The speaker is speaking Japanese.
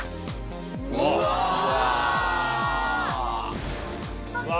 うわ！